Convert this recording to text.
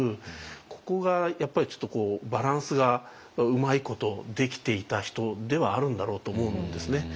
ここがやっぱりちょっとバランスがうまいことできていた人ではあるんだろうと思うんですね。